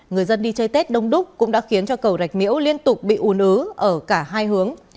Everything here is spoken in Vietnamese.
người dân đi chơi tết đông đúc cũng đã khiến cho cầu rạch miễu liên tục bị ù ứ ở cả hai hướng